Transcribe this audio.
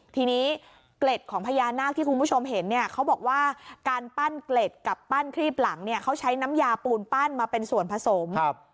ทีนี้เกล็ดของพญานาคที่คุณผู้ชมเห็นเนี่ยเขาบอกว่าการปั้นเกล็ดกับปั้นครีบหลังเนี่ยเขาใช้น้ำยาปูนปั้นมาเป็นส่วนผสมครับ